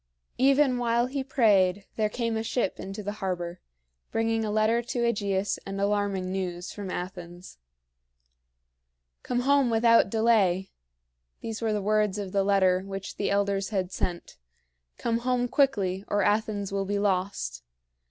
Even while he prayed there came a ship into the harbor, bringing a letter to AEgeus and alarming news from Athens. "Come home without delay" these were words of the letter which the elders had sent "come home quickly, or Athens will be lost.